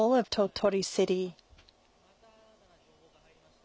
鳥取駅前、また新たな情報が入りました。